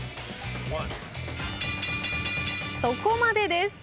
そこまでです。